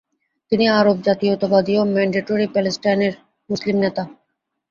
তিনি আরব জাতীয়তাবাদী ও মেন্ডেটরি প্যালেস্টাইনের মুসলিম নেতা।